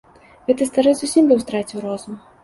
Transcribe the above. Гэты стары зусім быў страціў розум.